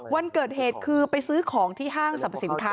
วันเกิดเหตุคือไปซื้อของที่ห้างสรรพสินค้า